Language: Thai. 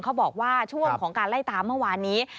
เขาบอกว่าช่วงของการไล่ตามเมื่อวานนี้